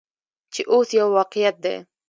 چې اوس یو واقعیت دی.